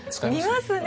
見ますね。